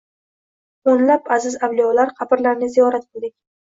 O‘nlab aziz-avliyolar qabrlarini ziyorat qildik.